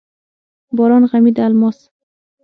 باران غمي د الماس،